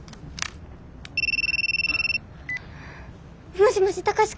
もしもし貴司君！？